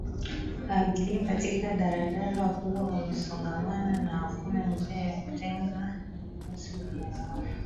Abiria katika Daladala huwa wamesongamana na hakuna njia ya kutenga nafasi baina yao